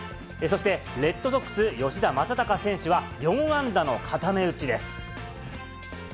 そしてレッドソックス、吉田正尚選手は４安打の固め打ちです。